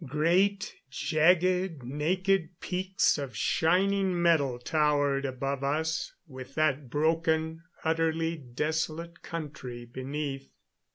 Great jagged, naked peaks of shining metal towered above us, with that broken, utterly desolate country beneath.